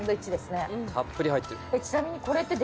ちなみにこれって。